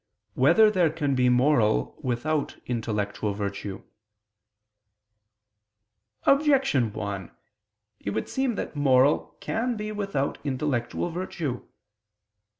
4] Whether There Can Be Moral Without Intellectual Virtue? Objection 1: It would seem that moral can be without intellectual virtue.